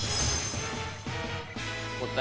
答え